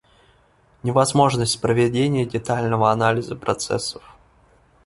Невозможность проведения детального анализа процессов